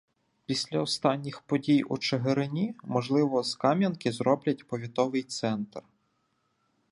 Після останніх подій у Чигирині, можливо, з Кам'янки зроблять повітовий центр.